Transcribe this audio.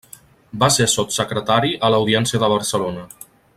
Va ser sotssecretari a l'Audiència de Barcelona.